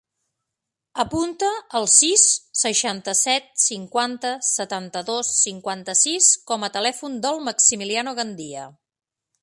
Apunta el sis, seixanta-set, cinquanta, setanta-dos, cinquanta-sis com a telèfon del Maximiliano Gandia.